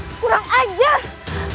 seperti si wanita klassik